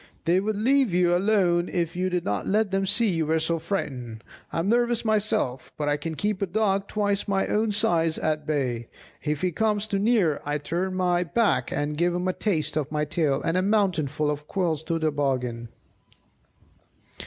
"They would leave you alone if you did not let them see you were so frightened. I am nervous myself, but I can keep a dog twice my own size at bay; if he comes too near I turn my; back and give him a taste of my tail, and a mouthful of quills into the bargain."